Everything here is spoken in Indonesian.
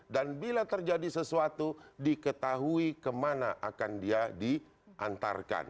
dan bila terjadi sesuatu diketahui kemana akan dia diantarkan